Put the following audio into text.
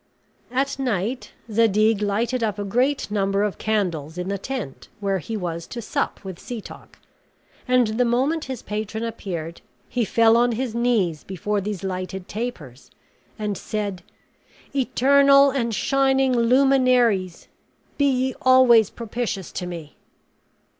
At night Zadig lighted up a great number of candles in the tent where he was to sup with Setoc; and the moment his patron appeared, he fell on his knees before these lighted tapers, and said, "Eternal and shining luminaries! be ye always propitious to me."